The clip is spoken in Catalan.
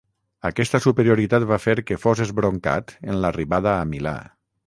Aquesta superioritat va fer que fos esbroncat en l'arribada a Milà.